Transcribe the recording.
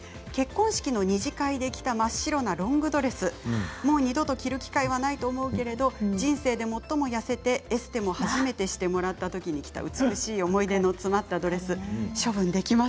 結婚式の二次会で着た真っ白なロングドレスもう二度と着る機会はないと思うけれど、人生で最も痩せてエステも初めてしてもらったときに着た美しい思い出の詰まったドレス。